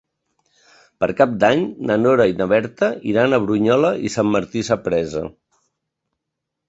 Per Cap d'Any na Nora i na Berta iran a Brunyola i Sant Martí Sapresa.